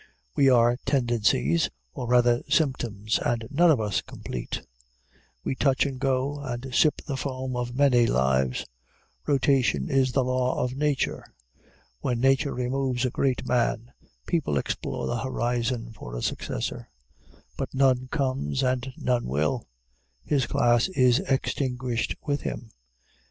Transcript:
We are tendencies, or rather symptoms, and none of us complete. We touch and go, and sip the foam of many lives. Rotation is the law of nature. When nature removes a great man, people explore the horizon for a successor; but none comes, and none will. His class is extinguished with him.